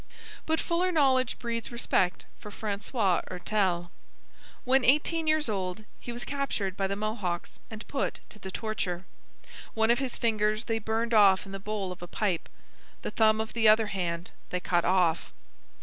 But fuller knowledge breeds respect for Francois Hertel. When eighteen years old he was captured by the Mohawks and put to the torture. One of his fingers they burned off in the bowl of a pipe. The thumb of the other hand they cut off.